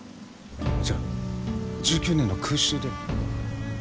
じゃあ１９年の空襲で？